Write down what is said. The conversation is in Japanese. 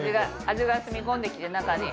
味が染み込んできて中に。